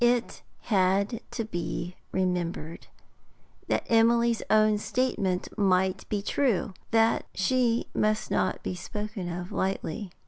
It had to be remembered that Emily's own statement might be true; she must not be spoken of lightly.